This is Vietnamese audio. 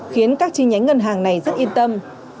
khiến các chi nhánh ngân hàng này rất yên tâm